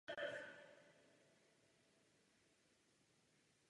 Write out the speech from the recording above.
Narodil se v Táboře.